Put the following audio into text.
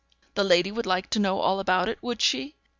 The lady would like to know all about it, would she?